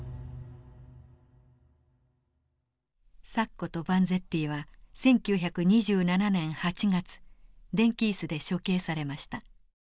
サッコとバンゼッティは１９２７年８月電気椅子で処刑されました。